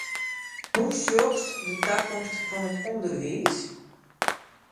Hoe sjochst de takomst fan it ûnderwiis?